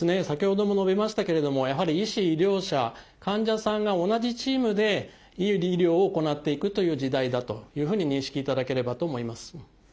先ほども述べましたけれどもやはり医師・医療者患者さんが同じチームでいい医療を行っていくという時代だというふうに認識いただければと思います。